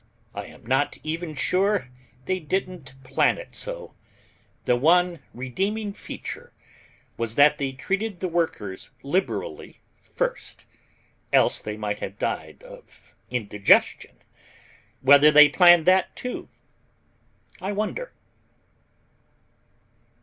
I am not even sure they didn't plan it so. The one redeeming feature was that they treated the workers liberally first. Else they might have died of indigestion. Whether they planned that, too, I wonder.